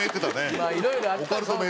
まあいろいろあったの。